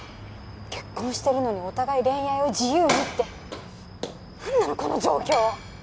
結婚してるのにお互い恋愛は自由にって何なのこの状況！